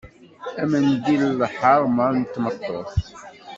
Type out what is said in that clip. Amendil d lḥerma n tmeṭṭut.